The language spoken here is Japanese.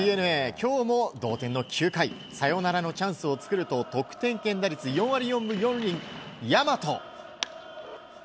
今日も、同点の９回サヨナラのチャンスを作ると得点圏打率４割４分４厘、大和。